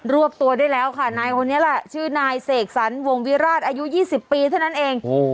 วบตัวได้แล้วค่ะนายคนนี้แหละชื่อนายเสกสรรวงวิราชอายุ๒๐ปีเท่านั้นเอง